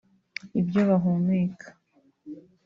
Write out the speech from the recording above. ibyo bahumuka